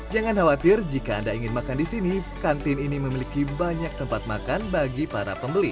jangan khawatir jika anda ingin makan di sini kantin ini memiliki banyak tempat makan bagi para pembeli